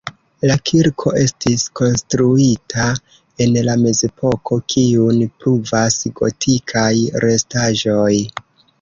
La kirko estis konstruita en la mezepoko, kiun pruvas gotikaj restaĵoj.